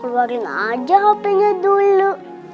keluarin aja hpnya dulu